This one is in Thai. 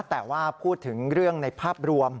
แต่ว่าพูดถึงเรื่องในภาพรวม